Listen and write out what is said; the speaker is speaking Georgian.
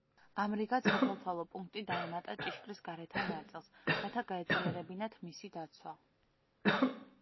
ამრიგად, სათვალთვალო პუნქტი დაემატა ჭიშკრის გარეთა ნაწილს, რათა გაეძლიერებინათ მისი დაცვა.